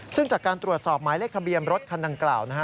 ซึ่งจากการตรวจสอบหมายเลขทะเบียนรถคันดังกล่าวนะฮะ